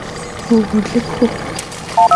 Vuğurlı pxuxhu!